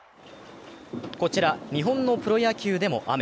こちら、日本のプロ野球でも雨。